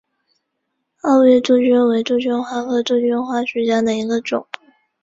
皋月杜鹃为杜鹃花科杜鹃花属下的一个种。